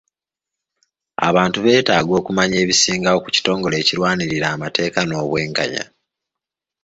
Abantu beetaaga okumanya ebisingawo ku kitongole ekirwanirira amateeka n'obwenkanya.